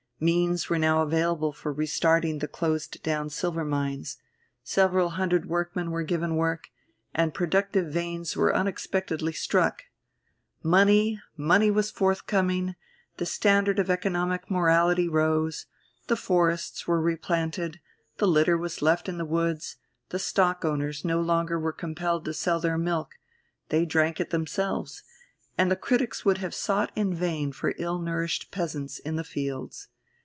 Means were now available for restarting the closed down silver mines; several hundred workmen were given work, and productive veins were unexpectedly struck. Money, money was forthcoming, the standard of economic morality rose; the forests were replanted, the litter was left in the woods, the stock owners no longer were compelled to sell their milk, they drank it themselves, and the critics would have sought in vain for ill nourished peasants in the fields.